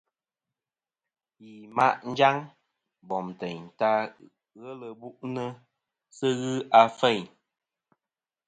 Yi ma' njaŋ bom teyn ta ghelɨ bu'nɨ sɨ ghɨ a feyn.